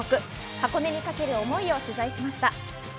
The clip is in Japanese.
箱根にかける思いを取材しました。